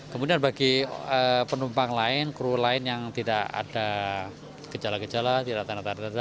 kemudian bagi penumpang lain kru lain yang tidak ada gejala gejala tidak ada tanda tanda